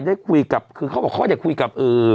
ได้คุยกับคือเขาบอกเขาได้คุยกับ